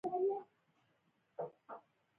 دا به واقعاً کمه شي.